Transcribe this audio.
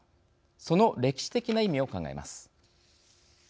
その歴史的な意味を考えます。